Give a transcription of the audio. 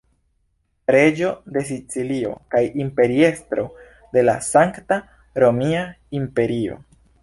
Reĝo de Sicilio kaj imperiestro de la Sankta Romia Imperio.